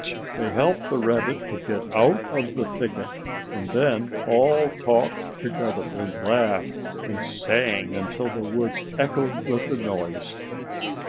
They helped the rabbit to get out of the thicket, and then all talked together and laughed and sang until the woods echoed with the noise.